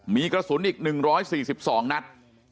มีกระสุนอีก๑๔๒นัด